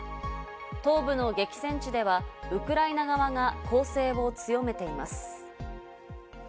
東部の激戦地ではウクライナ側が攻勢を強めています。